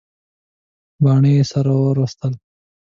باڼه یې سره ور وستل.